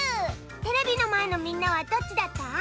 テレビのまえのみんなはどっちだった？